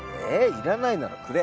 いらないならくれ！